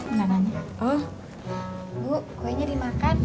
ibu kuenya dimakan